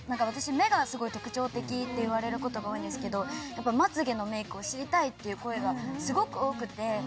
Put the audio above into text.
私目がすごい特徴的って言われることが多いんですけどやっぱまつげのメイクを知りたいっていう声がすごく多くて。